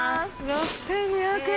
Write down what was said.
６２００円！